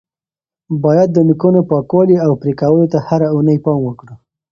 باید د نوکانو پاکوالي او پرې کولو ته هره اونۍ پام وکړو.